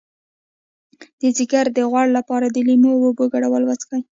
د ځیګر د غوړ لپاره د لیمو او اوبو ګډول وڅښئ